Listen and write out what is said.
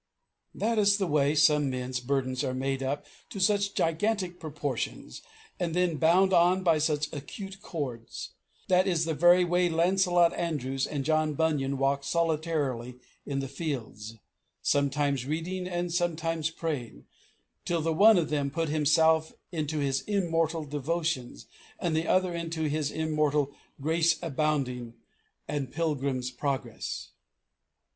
That is the way some men's burdens are made up to such gigantic proportions and then bound on by such acute cords. That is the way that Lancelot Andrewes and John Bunyan walked solitarily in the fields, sometimes reading and sometimes praying, till the one of them put himself into his immortal Devotions, and the other into his immortal Grace Abounding and Pilgrim's Progress.